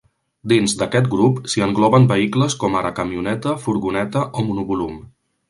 Dins d'aquest grup s'hi engloben vehicles com ara camioneta, furgoneta o monovolum.